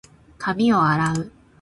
髪を洗う。